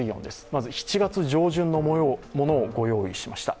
まず７月上旬のものをご用意しました。